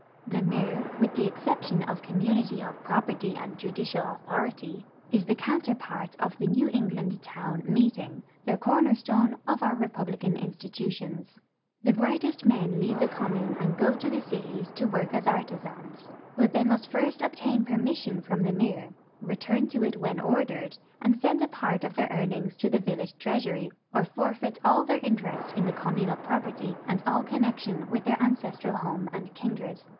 The mir, with the exception of community of property and judicial authority, is the counterpart of the New England town meeting, the corner stone of our republican institutions. The brightest men leave the commune and go to the cities to work as artisans, but they must first obtain permission from the mir, return to it when ordered, and send a part of their earnings to the village treasury or forfeit all their interest in the com munal property and all connection with their ancestral home and kindred.